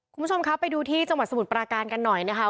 คุณผู้ชมครับไปดูที่จังหวัดสมุทรปราการกันหน่อยนะคะ